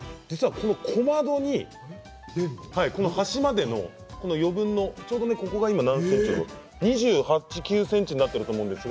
この小窓に端までの余分の今、ここが２８ｃｍ、２９ｃｍになっていると思います。